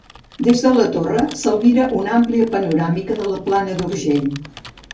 Des de la torre, s'albira una àmplia panoràmica de la plana d'Urgell.